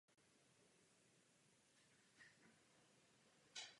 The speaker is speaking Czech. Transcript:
Anderson se ale už k soudu nedostavil.